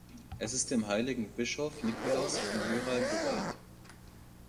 Es ist dem heiligen Bischof Nikolaus von Myra geweiht.